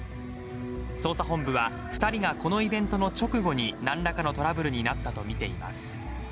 捜査本部は２人がこのイベントの直後に何らかのトラブルになったとみています。